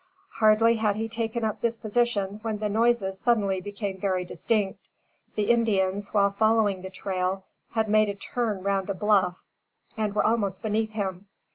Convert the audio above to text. Hardly had he taken up this position when the noises suddenly became very distinct. The Indians, while following the trail, had made a turn round a bluff and were almost beneath him.